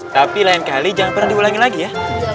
tapi lain kali jangan pernah diulangi lagi ya